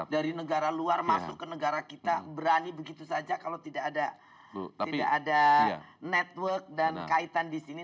dari negara luar masuk ke negara kita berani begitu saja kalau tidak ada network dan kaitan di sini